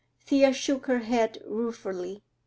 Thea shook her head ruefully.